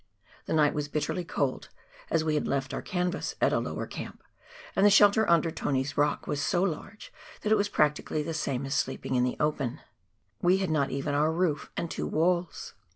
The night was bitterly cold, as we had left our canvas at a lower camp, and the shelter under Tony's Rock was so large that it was practically the same as sleeping in the open ; we had not even our roof and two walls.